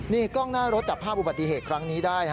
นี่กล้องหน้ารถจับภาพอุบัติเหตุครั้งนี้ได้